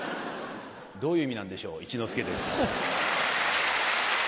どういう意味なんでしょう一之輔です。